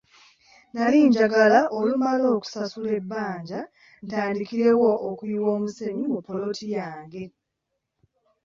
Nali njagala olumala okusasula ebbanja ntandikirewo okuyiwa omusenyu mu ppoloti yange.